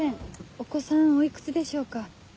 お子さんおいくつでしょうか？